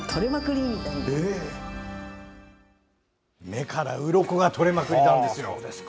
目からうろこが取れまくりなんですよ。